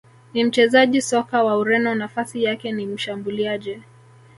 ni mchezaji soka wa Ureno nafasi yake ni Mshambuliaji